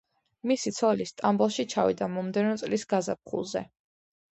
მისი ცოლი სტამბოლში ჩავიდა მომდევნო წლის გაზაფხულზე.